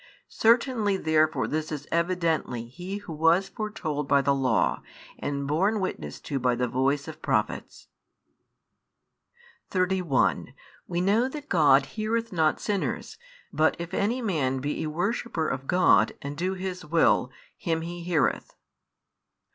Certainly therefore this is evidently He Who was foretold by the Law, and borne witness to by the voice of Prophets. 31 We know that God heareth not sinners: but if any man be a worshipper of God, and do His will, him He heareth.